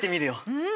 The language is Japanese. うん。